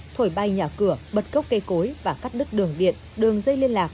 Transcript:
thổi bay nhà cửa bật cốc cây cối và cắt đứt đường điện đường dây liên lạc